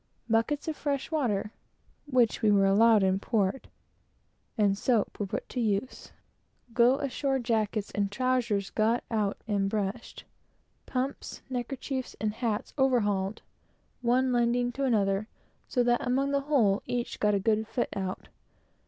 Buckets of fresh water, (which we were allowed in port,) and soap, were put in use; go ashore jackets and trowsers got out and brushed; pumps, neckerchiefs, and hats overhauled; one lending to another; so that among the whole each one got a good fit out.